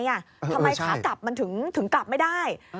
ทำไมขากลับมันถึงกลับไม่ได้